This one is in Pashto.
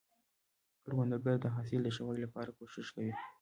کروندګر د حاصل د ښه والي لپاره کوښښ کوي